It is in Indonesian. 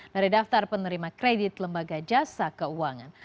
dari daftar penerima kredit lembaga jasa keuangan